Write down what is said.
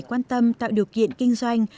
quan tâm tạo điều kiện kinh doanh